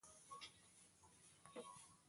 اکثرو یې له کسب او کمال لارې ډوډۍ خوړله.